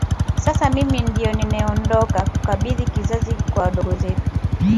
Sasa mimi ndio ninayeondoka tukabidhi kizazi kwa wadogo zetu